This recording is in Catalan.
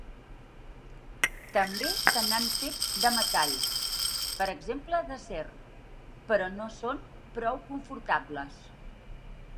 També se n'han fet de metall, per exemple d'acer, però no són prou confortables.